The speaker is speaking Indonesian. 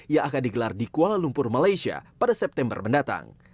yang akan digelar di kuala lumpur malaysia pada september mendatang